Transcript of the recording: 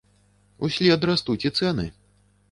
Услед растуць і цэны.